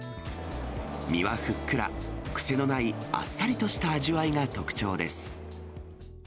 身はふっくら、癖のないあっさりとした味わいが特徴です。